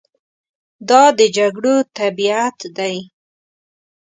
دا د جګړو طبیعت دی.